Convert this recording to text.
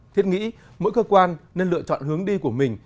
thiết nghĩ mỗi cơ quan nên lựa chọn hướng đi của mình